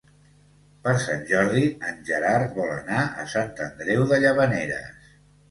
Per Sant Jordi en Gerard vol anar a Sant Andreu de Llavaneres.